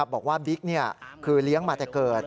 บิ๊กคือเลี้ยงมาแต่เกิด